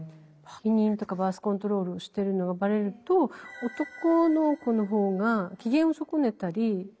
避妊とかバース・コントロールをしてるのがバレると男の子の方が機嫌を損ねたりしてしまうと。